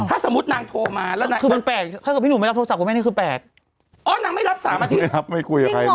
ถ้าสมมตินางโทรมาคือมันแปลกเพราะพี่หนูไม่รับโทรศัพท์พี่แม่นี่คือแปลก